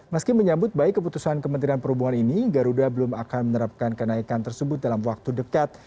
meski menyambut baik keputusan kementerian perhubungan ini garuda belum akan menerapkan kenaikan tersebut dalam waktu dekat